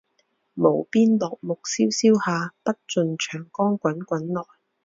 无边落木萧萧下，不尽长江滚滚来